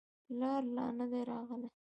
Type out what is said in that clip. پلار لا نه دی راغلی.